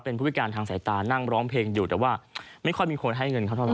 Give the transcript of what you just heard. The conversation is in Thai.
เป็นผู้พิการทางสายตานั่งร้องเพลงอยู่แต่ว่าไม่ค่อยมีคนให้เงินเขาเท่าไ